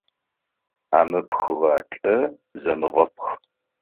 Амыпхыгъэ лӏы земыгъэпх.